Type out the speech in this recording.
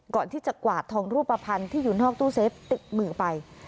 ก่อนที่จะกวาดทองรูปภัณฑ์ที่อยู่นอกตู้เซฟติดมือไป